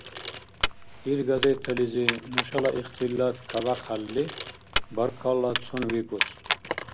Ил газетализи нушала ихтилат кабяхъялли, баркаллацун викӀус.